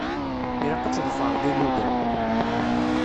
Ilaq ad tḍefṛeḍ ilugan.